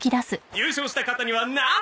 優勝した方にはなんと！